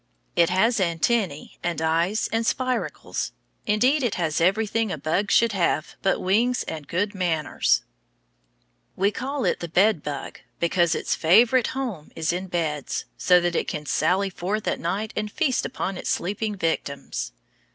It has antennæ and eyes and spiracles; indeed, it has everything a bug should have but wings and good manners. We call it the bed bug because its favorite home is in beds, so that it can sally forth at night and feast upon its sleeping victims.